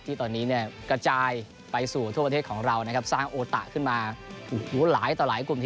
ที่ตอนนี้กระจายไปสู่ทั่วประเทศของเรานะครับสร้างโอตะขึ้นมาหลายต่อหลายกลุ่ม